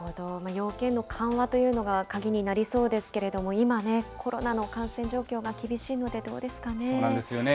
要件の緩和というのが鍵になりそうですけれども、今ね、コロナの感染状況が厳しいのでどうですかね。